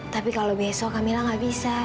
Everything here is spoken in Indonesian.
tapi kalau besok kak mila tidak bisa